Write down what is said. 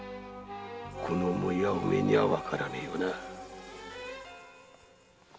この思いはお前にはわからねぇよな。